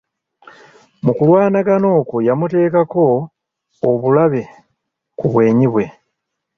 Mu kulwanagana okwo yamuteekako olubale ku bwenyi bwe.